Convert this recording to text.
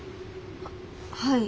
はい。